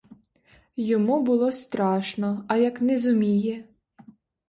Йому було страшно — а як не зуміє?